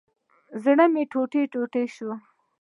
زړه مي ټوټي ټوټي شو